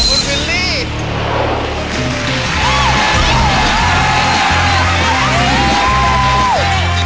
ก็กล้าปุ๋มหวัดละคุณวินนี่